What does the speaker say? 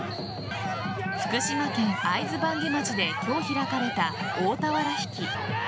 福島県会津坂下町で今日開かれた大俵引き。